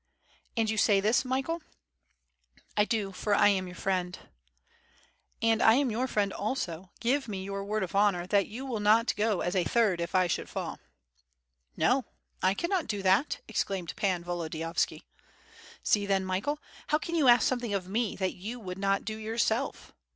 "And you say this, Michael?*' "I do, for I am youx friend/' yy^ WITH FIRE AND 8W0ED, "And I am your friend also — ^give me your word of honor that you will not go as a third if I should fall." "No, 1 cannot do that," exclaimed Pan Volodiyovski "See then, Michael! how can you ask something of me that you would not do yourself?